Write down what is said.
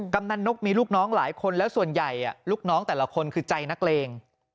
กำนันนกมีลูกน้องหลายคนแล้วส่วนใหญ่ลูกน้องแต่ละคนคือใจนักเลง